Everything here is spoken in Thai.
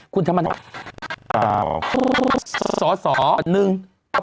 คุณธรรมดาสรหนึ่ง